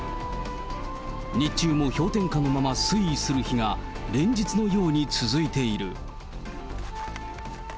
日中も氷点下のまま推移する日が連日のように続いている。